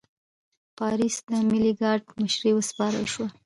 پاریس د ملي ګارډ مشري وسپارل شوه.